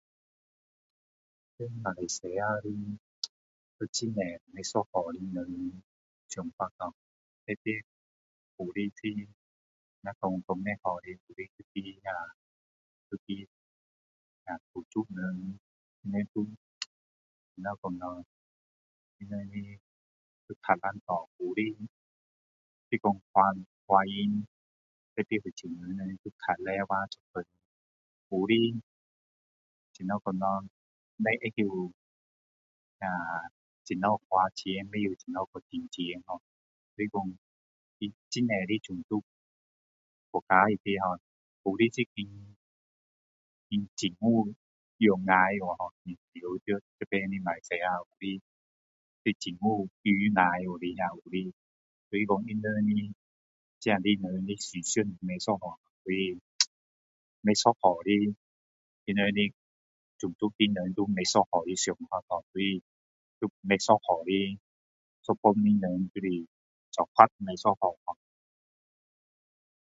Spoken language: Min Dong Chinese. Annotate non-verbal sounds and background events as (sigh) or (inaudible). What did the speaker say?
马来西亚的，有很多不同的人。 (unintelligible) 特别有的是那讲较不好的就是一个。。就是那个土著人， (unintelligible) 怎么讲咯，他们就较懒惰，有的就说华人，华人，特别福州人，就比较勤劳做工。有的怎么讲咯，只知道[ahh]怎样花钱，不晓怎样怎样赚钱咯。所以说很多的种族，国家里面[har] (unintelligible) 有的是等，等政府，养坏去，住在这边的马来西亚，有的是等政府，宠坏有的，他们这里人的思想较不一样， (unintelligible) 就是不一样他们的种族的人有不一样的想法咯。就是不一样的一帮人的就是，做法也不一样咯。